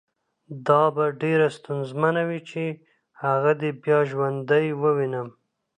دا به ډېره ستونزمنه وي چې هغه دې بیا ژوندی ووینم